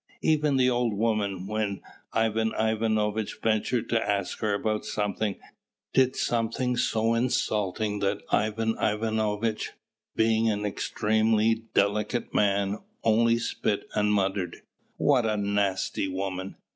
Even the old woman, when Ivan Ivanovitch ventured to ask her about something, did something so insulting that Ivan Ivanovitch, being an extremely delicate man, only spit, and muttered, "What a nasty woman!